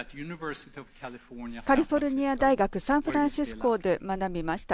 カリフォルニア大学サンフランシスコ校で学びました。